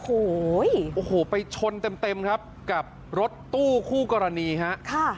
โอ้โหไปชนเต็มครับกับรถตู้คู่กรณีฮะ